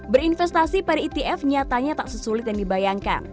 berinvestasi pada etf nyatanya tak sesulit yang dibayangkan